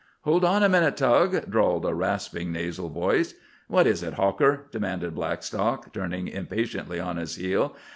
"Hold on a minute, Tug," drawled a rasping nasal voice. "What is it, Hawker?" demanded Blackstock, turning impatiently on his heel.